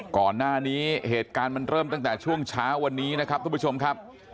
ก่อนหน้านี้เหตุการณ์มันเริ่มตั้งแต่ช่วงเช้าวันนี้นะครับทุกผู้ชมครับ